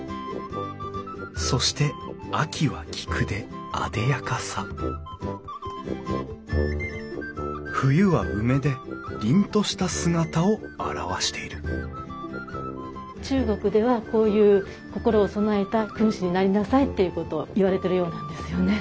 そして秋は菊であでやかさ冬は梅で凛とした姿を表している中国ではこういう心を備えた君子になりなさいっていうことを言われてるようなんですよね。